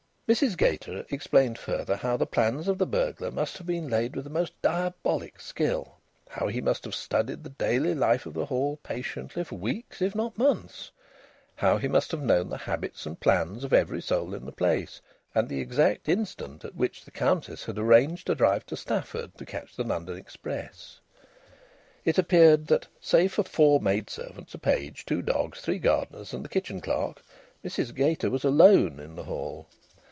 Mrs Gater explained further how the plans of the burglar must have been laid with the most diabolic skill; how he must have studied the daily life of the Hall patiently for weeks, if not months; how he must have known the habits and plans of every soul in the place, and the exact instant at which the Countess had arranged to drive to Stafford to catch the London express. It appeared that save for four maidservants, a page, two dogs, three gardeners, and the kitchen clerk, Mrs Gater was alone in the Hall.